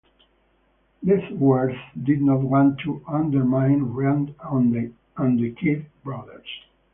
Letchworth did not want to undermine Rand and the Kidd brothers.